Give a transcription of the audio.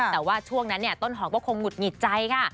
แต่ว่าช่วงนั้นต้นหอมก็คงหุดหงิดใจค่ะ